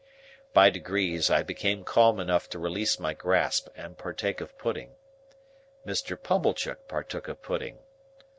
By degrees, I became calm enough to release my grasp and partake of pudding. Mr. Pumblechook partook of pudding.